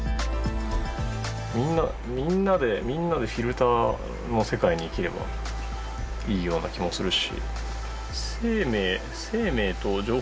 みんなみんなでフィルターの世界に生きればいいような気もするし。